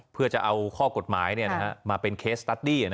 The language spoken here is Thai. เพื่อจะเอาข้อกรรมนี้มาเป็นเคสสุดี้